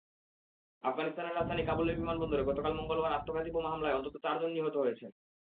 আফগানিস্তানের রাজধানী কাবুলের বিমানবন্দরে গতকাল মঙ্গলবার আত্মঘাতী বোমা হামলায় অন্তত চারজন নিহত হয়েছেন।